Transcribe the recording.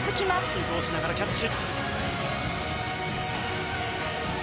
移動しながらキャッチ。